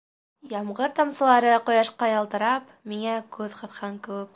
Ямғыр тамсылары, ҡояшҡа ялтырап, миңә күҙ ҡыҫҡан кеүек.